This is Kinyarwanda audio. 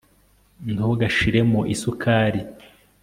ntugashiremo isukari